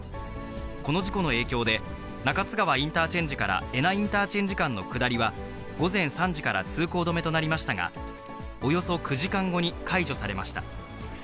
この事故の影響で、中津川インターチェンジから恵那インターチェンジ間の下りは、午前３時から通行止めとなりましたが、およそ９時間後に解除されました。